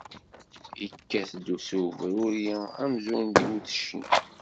Ikkat-d s ubruri amzun d iwedcen.